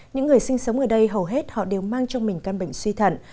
những người sinh sống ở đây hầu hết họ đều mang trong mình căn bệnh suy thận